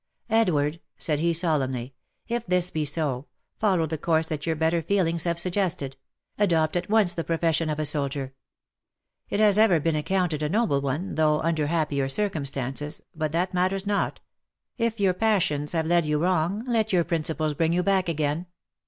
" Edward !" said he solemnly, " if this be so, follow the course that your better feelings have suggested — adopt at once the profession of a soldier. It has ever been accounted a noble one — though, under happier circumstances — but that matters not — if your passions have led you wrong, let your principles bring you back again.